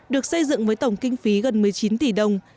được xây dựng với tổng kinh phí gần một mươi chín tỷ đồng